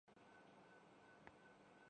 اور آسانی سے شکار ہونا جانا ہونا ۔